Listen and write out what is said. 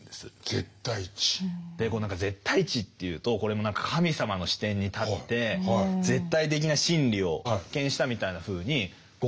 絶対知というとこれも何か神様の視点に立って絶対的な真理を発見したみたいなふうに誤解されちゃう。